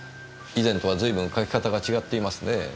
以前とは随分書き方が違っていますねぇ。